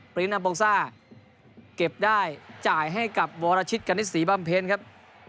รินาโบซ่าเก็บได้จ่ายให้กับวรชิตกณิตศรีบำเพ็ญครับ